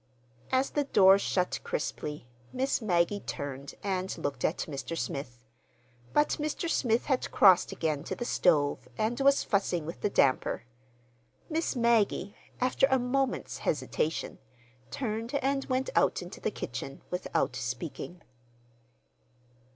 As the door shut crisply, Miss Maggie turned and looked at Mr. Smith. But Mr. Smith had crossed again to the stove and was fussing with the damper. Miss Maggie, after a moment's hesitation, turned and went out into the kitchen, without speaking.